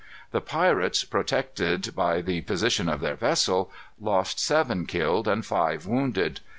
The pirates, protected by the position of their vessel, lost seven killed, and five wounded.